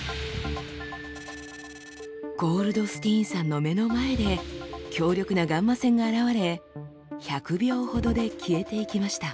ゴールドスティーンさんの目の前で強力なガンマ線が現れ１００秒ほどで消えていきました。